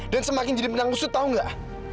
dan semakin jadi penang musuh tau nggak